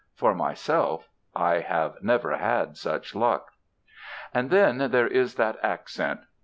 For myself, I have never had such luck. And then there is that accent.